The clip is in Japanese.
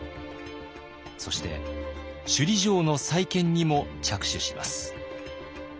そして首里城の再建にも着手します。